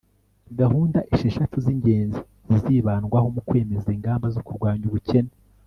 gahunda esheshatu z'ingenzi zizibandwaho mu kwemeza ingamba zo kurwanya ubukene